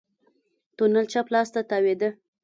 تونل چپ لاس ته تاوېده.